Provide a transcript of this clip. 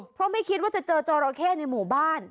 เพราะไม่คิดว่าจะเจอจอราเข้ในหมู่บ้าน